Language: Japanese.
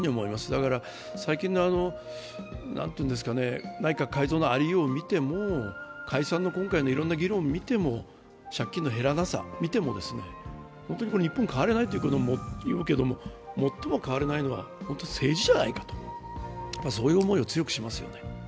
だから最近の内閣改造のありようを見ても解散の今回のありようを見ても借金の減らなさを見ても日本は本当に変わらないと言われるけれども、最も変われないのは、本当に政治じゃないか、そういう思いがします。